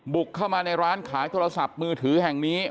บุกเข้ามาในร้านขายโทรศัพท์มือถือแห่งนี้